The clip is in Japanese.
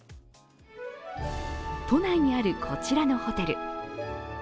都内にあるこちらのホテル。